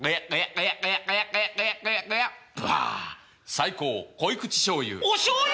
最高濃い口しょうゆ。